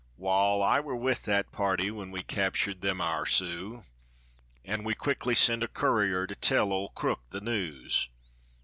Wall, I were with that party when we captured them ar' Sioux, An' we quickly sent a courier to tell old Crook the news.